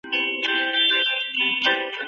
তোমার মা নিশ্চয়ই রেগে গেছে।